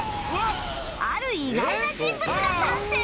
ある意外な人物が参戦！